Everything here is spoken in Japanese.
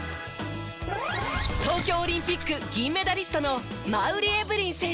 東京オリンピック銀メダリストの馬瓜エブリン選手